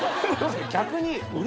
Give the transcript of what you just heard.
逆に。